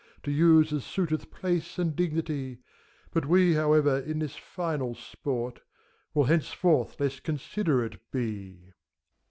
To use as suiteth place and dignity; But we, however, in this final sport. g44 FAUST. Will henceforth less considerate be.